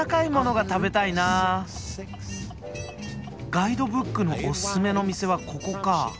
ガイドブックのおすすめの店はここか。